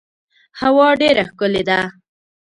هوا ډیره ښکلې ده .